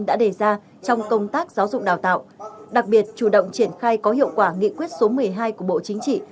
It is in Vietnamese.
đã đề ra trong công tác giáo dục đào tạo đặc biệt chủ động triển khai có hiệu quả nghị quyết số một mươi hai của bộ chính trị